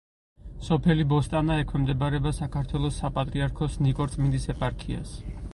სოფელი ბოსტანა ექვემდებარება საქართველოს საპატრიარქოს ნიკორწმინდის ეპარქიას.